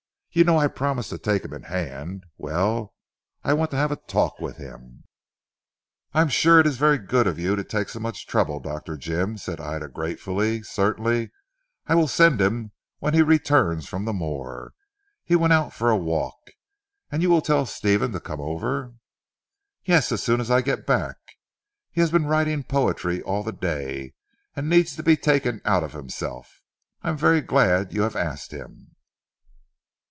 You know I promised to take him in hand. Well, I want to have a talk with him." "I am sure it is very good of you to take so much trouble Dr. Jim," said Ida gratefully. "Certainly; I will send him when he returns from the moor. He went out for a walk. And you will tell Stephen to come over?" "Yes, as soon as I get back. He has been writing poetry all the day, and needs to be taken out of himself. I am very glad you have asked him."